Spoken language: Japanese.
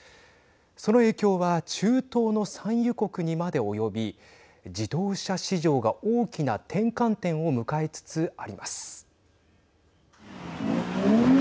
その影響は中東の産油国にまで及び自動車市場が大きな転換点を迎えつつあります。